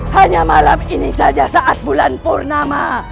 hanya malam ini saja saat bulan purnama